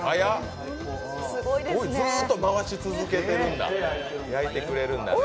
ずっと回し続けてるんだ焼いてくれるんだね。